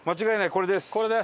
これです。